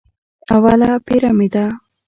اوله پېره مې ده.